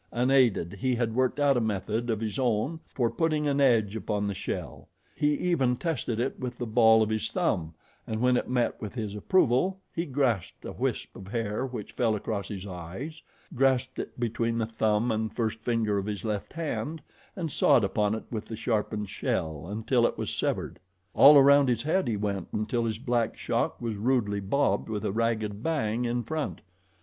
Unaided he had worked out a method of his own for putting an edge upon the shell he even tested it with the ball of his thumb and when it met with his approval he grasped a wisp of hair which fell across his eyes, grasped it between the thumb and first finger of his left hand and sawed upon it with the sharpened shell until it was severed. All around his head he went until his black shock was rudely bobbed with a ragged bang in front.